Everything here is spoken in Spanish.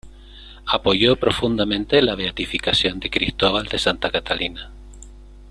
Apoyó profundamente la beatificación de Cristóbal de Santa Catalina.